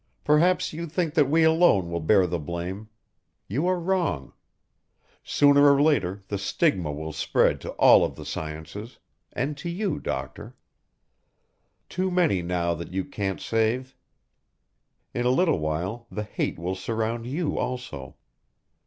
Perhaps you think that we alone will bear the blame. You are wrong. Sooner or later the stigma will spread to all of the sciences and to you, doctor. Too many now that you can't save; in a little while the hate will surround you also.